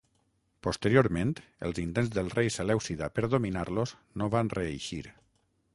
Posteriorment els intents del rei selèucida per dominar-los no van reeixir.